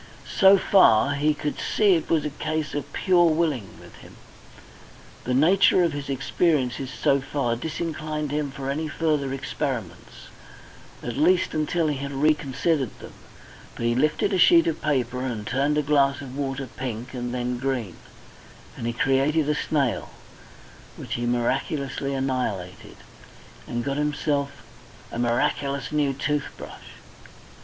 So far, he could see it was a case of pure willing with him. The nature of his experiences so far disinclined him for any further experiments, at least until he had reconsidered them. But he lifted a sheet of paper, and turned a glass of water pink and then green, and he created a snail, which he miraculously annihilated, and got himself a miraculous new tooth brush.